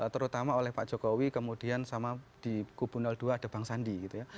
terutama oleh pak jokowi kemudian sama di kubu dua ada bang sandi gitu ya